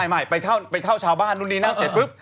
ไม่ไปเข้าชาวบ้านนู่นนี่นั่นเสร็จปุ๊บ